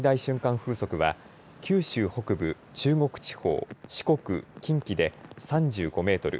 風速は九州北部、中国地方四国、近畿で３５メートル